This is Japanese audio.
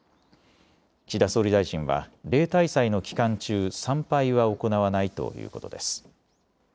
岸田総理大臣は例大祭の期間中、参拝は行わないということです。